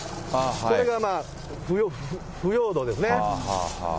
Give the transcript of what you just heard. これが腐葉土ですね。